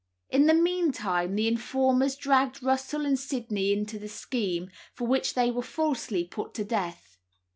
In the meantime the informers dragged Russell and Sydney into the scheme, for which they were falsely put to death.